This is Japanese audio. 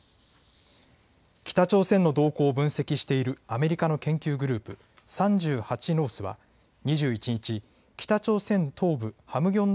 北朝鮮の動向を分析しているアメリカの研究グループ、３８ノースは２１日、北朝鮮東部ハムギョン